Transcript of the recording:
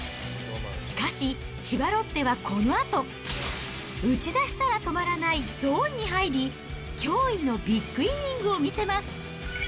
しかし、千葉ロッテはこのあと、打ちだしたら止まらない、ゾーンに入り、驚異のビッグイニングを見せます。